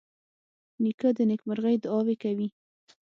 نیکه د نیکمرغۍ دعاوې کوي.